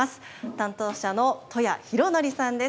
担当者の戸谷浩規さんです。